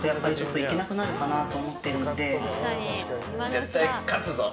絶対勝つぞ！